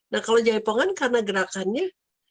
nah kalau jaipongan karena gerakannya